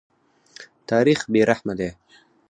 تاریخ بې رحمه دی.